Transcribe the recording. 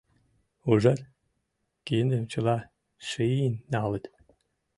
— Ужат, киндым чыла шийын налыт.